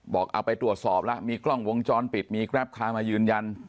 เอาไปตรวจสอบแล้วมีกล้องวงจรปิดมีแกรปคามายืนยัน